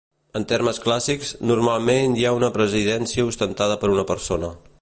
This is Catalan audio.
En termes clàssics, normalment hi ha una presidència ostentada per una persona.